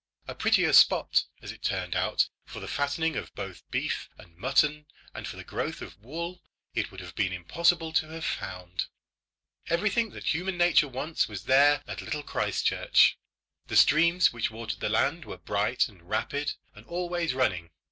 A prettier spot, as it turned out, for the fattening of both beef and mutton and for the growth of wool, it would have been impossible to have found. Everything that human nature wants was there at Little Christchurch. The streams which watered the land were bright and rapid, and always running.